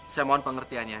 saya mohon pengertiannya